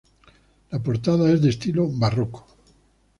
La portada es de estilo barroco.